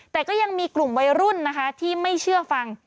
แต่ก็ยังมีกลุ่มวัยรุ่นนะคะที่ไม่เชื่อฟัง